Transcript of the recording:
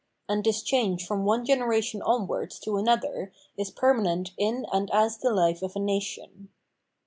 And this change from one generation onwards to another is permanent in and as the hfe of a nation.